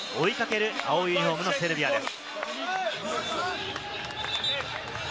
追いかける青いユニホームのセルビアです。